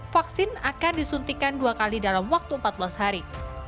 vaksin akan disuntikan dua kali dalam waktu empat belas hari